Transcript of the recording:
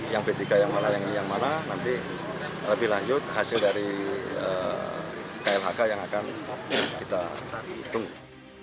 yang b tiga yang mana yang ini yang mana nanti lebih lanjut hasil dari klhk yang akan kita tunggu